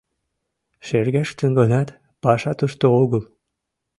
— Шергештын гынат, паша тушто огыл.